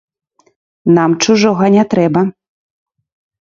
Нам чужога не трэба.